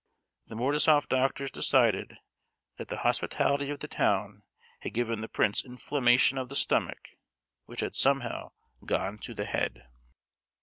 The Mordasof doctors decided that the hospitality of the town had given the prince inflammation of the stomach, which had somehow "gone to the head."